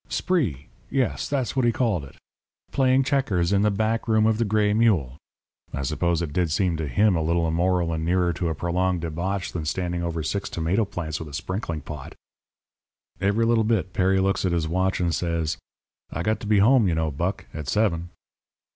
"'Spree!' Yes, that's what he called it. Playing checkers in the back room of the Gray Mule! I suppose it did seem to him a little immoral and nearer to a prolonged debauch than standing over six tomato plants with a sprinkling pot. "Every little bit Perry looks at his watch and says: "'I got to be home, you know, Buck, at seven.'